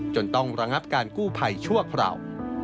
จนต้องระงับการกู้ภัยชั่วคราว